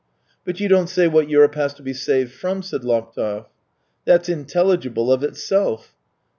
" But you don't say what Europe has to be saved from," said Laptev. " That's intelligible of itself."